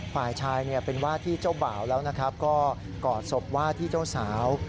ฝ่ายชายเนี่ยเป็นว่าที่เจ้าบ่าวแล้วนะครับก็กอดศพว่าที่เจ้าสาว